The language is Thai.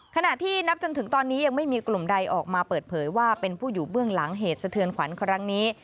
ขณะที่นับจนถึงตอนนี้ยังไม่มีกลุ่มใดออกมาเปิดเผยว่าเป็นผู้อยู่เบื้องหลังเหตุสะเทือนขวัญครั้งนี้